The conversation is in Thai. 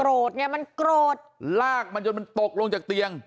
ไงมันโกรธลากมันจนมันตกลงจากเตียง